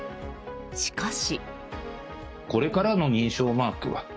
しかし。